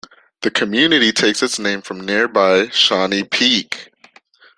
The community takes its name from nearby Shawnee Peak.